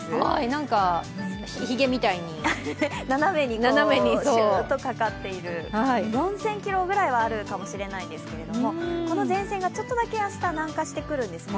なんか、ひげみたいに斜めにシューッとかかっている、４０００ｋｍぐらいはあるかもしれないんですけど、この前線がちょっとだけ明日南下してくるんですね。